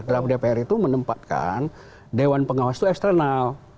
draft dpr itu menempatkan dewan pengawas itu eksternal